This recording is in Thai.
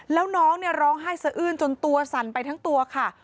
แล้วน้องเนี่ยร้องไห้สะอื้นจนตัวสั่นไปทั้งตัวค่ะ